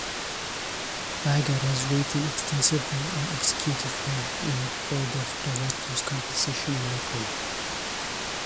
Bhagat has written extensively on executive pay and board of directors compensation and equity.